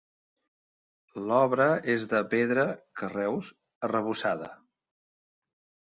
L'obra és de pedra -carreus- arrebossada.